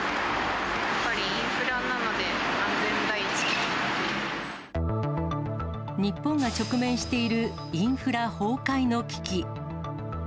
やっぱりインフラなので、日本が直面しているインフラ崩壊の危機。